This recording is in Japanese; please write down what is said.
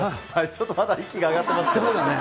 ちょっとまだ息が上がってますね。